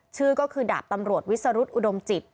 ชื่อก็คือดาบตำรวจวิสรุธอุดมจิต